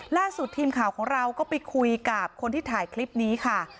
ล่าสุดทีมข่าวของเราก็ไปคุยกับคนที่ถ่ายคลิปนี้ค่ะ